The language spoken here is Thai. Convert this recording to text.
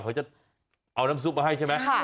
เขาจะเอาน้ำซุปมาให้ใช่ไหม